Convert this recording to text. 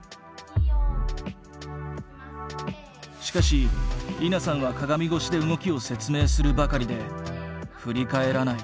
しかし莉菜さんは鏡越しで動きを説明するばかりで振り返らない。